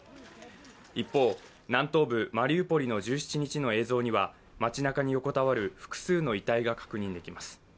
一方、南東部マリウポリの１７日の映像には街なかに横たわる複数の遺体が確認できます。